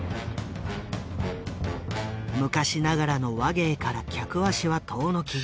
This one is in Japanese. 昔ながらの話芸から客足は遠のき